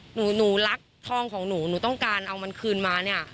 หนูหนูรักทองของหนูหนูต้องการเอามันคืนมาเนี่ย